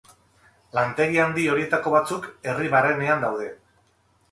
Lantegi handi horietako batzuk herri barrenean daude.